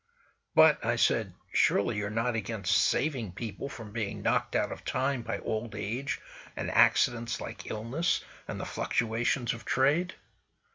"But," I said, "surely you're not against saving people from being knocked out of time by old age, and accidents like illness, and the fluctuations of trade?"